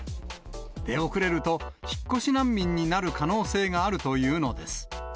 出遅れると、引っ越し難民になる可能性があるというのです。